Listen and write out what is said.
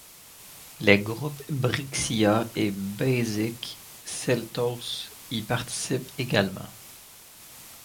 Les groupes Brixia et Basic Celtos y participent également.